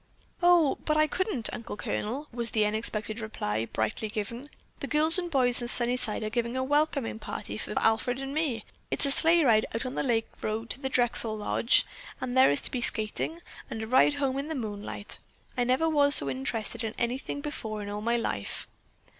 "Oh, but I couldn't, Uncle Colonel!" was the unexpected reply, brightly given. "The girls and boys of Sunnyside are giving a welcome party for Alfred and me. It's a sleigh ride out the lake road to the Drexel lodge; then there is to be skating, and a ride home in the moonlight. I never was so interested in anything before in all my life."